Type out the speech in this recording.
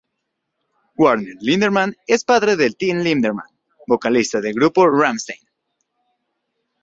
Werner Lindemann es el padre de Till Lindemann, vocalista del grupo Rammstein.